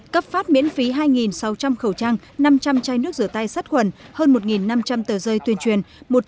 cấp phát miễn phí hai sáu trăm linh khẩu trang năm trăm linh chai nước rửa tay sát khuẩn hơn một năm trăm linh tờ rơi tuyên truyền